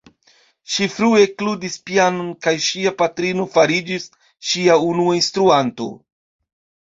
Ŝi frue ekludis pianon kaj ŝia patrino fariĝis ŝia unua instruanto.